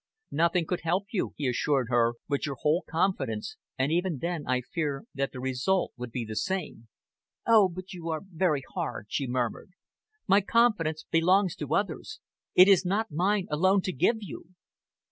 "Nothing could help you," he assured her, "but your whole confidence, and even then I fear that the result would be the same." "Oh, but you are very hard!" she murmured. "My confidence belongs to others. It is not mine alone to give you."